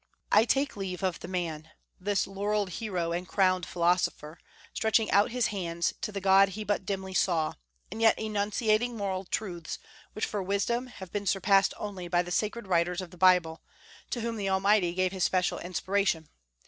I take leave of the man, this "laurelled hero and crowned philosopher," stretching out his hands to the God he but dimly saw, and yet enunciating moral truths which for wisdom have been surpassed only by the sacred writers of the Bible, to whom the Almighty gave his special inspiration.